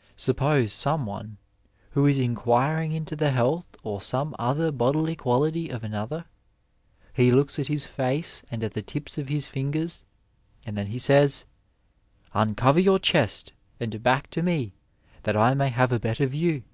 '' Suppose some one, who is inquiring into the health or some other bodily quality of another : he looks at his face and at the tips of his fingers, and then he says, ' Uncover your chest and back to me that I may have a better view.'